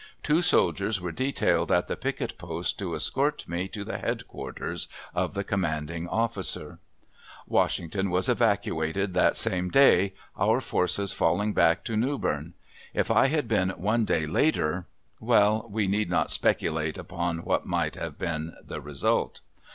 Two soldiers were detailed at the picket post to escort me to the headquarters of the commanding officer. Washington was evacuated that same day, our forces falling back to Newbern. If I had been one day later well, we need not speculate upon what might have been the result.